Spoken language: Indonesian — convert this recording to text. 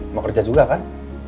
mau kerja juga kan